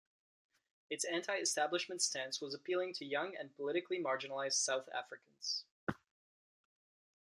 Its anti-establishment stance was appealing to young and politically marginalized South Africans.